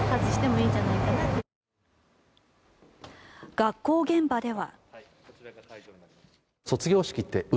学校現場では。